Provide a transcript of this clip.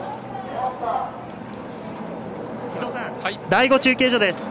第５中継所です。